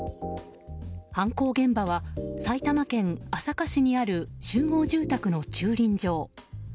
犯行現場は、埼玉県朝霞市にある集合住宅の駐輪場。